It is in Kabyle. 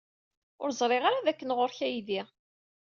Ur ẓriɣ ara dakken ɣer-k aydi.